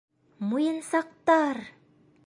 Муйынсаҡтар!..